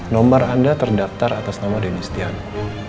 nomor anda terdaftar atas nama denny stiano